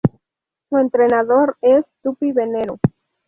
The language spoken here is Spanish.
Su entrenador es Tupi Venero.